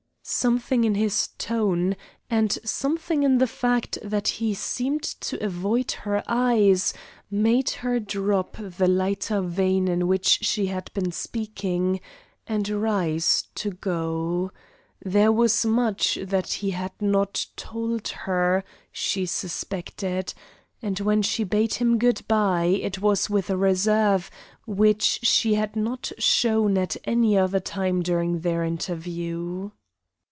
Something in his tone, and something in the fact that he seemed to avoid her eyes, made her drop the lighter vein in which she had been speaking, and rise to go. There was much that he had not told her, she suspected, and when she bade him good by it was with a reserve which she had not shown at any other time during their interview.